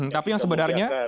tapi yang sebenarnya